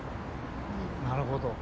なるほど。